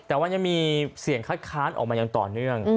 แต่ว่ายังมีเสียงคัดค้านออกมาอย่างต่อเนื่อง